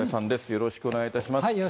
よろしくお願いします。